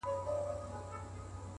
هوډ د شک غږ خاموشوي؛